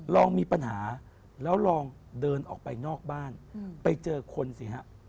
ลองมีปัญหาแล้วลองเดินออกไปนอกบ้านไปเจอคนสิฮะ